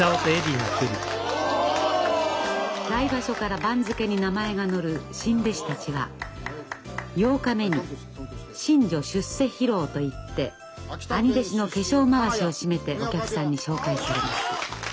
来場所から番付に名前が載る新弟子たちは８日目に新序出世披露といって兄弟子の化粧まわしを締めてお客さんに紹介されます。